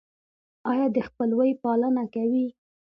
ایا د خپلوۍ پالنه کوئ؟